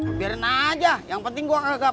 membirin aja yang penting gua agak pakai umpan lu